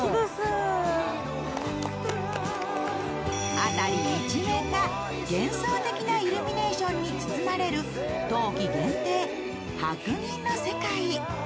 辺り一面が幻想的なイルミネーションに包まれる冬季限定、白銀の世界。